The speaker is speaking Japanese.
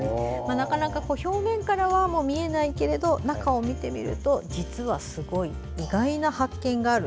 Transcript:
なかなか表面からは見えないけど中を見てみると実はすごい意外な発見がある。